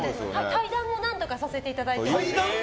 対談も何度かさせていただいています。